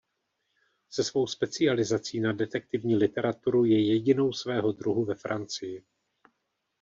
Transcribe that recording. Se svou specializací na detektivní literaturu je jedinou svého druhu ve Francii.